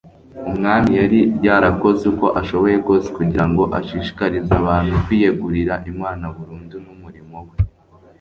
umwami yari yarakoze uko ashoboye kose kugira ngo ashishikarize abantu kwiyegurira imana burundu n'umurimo we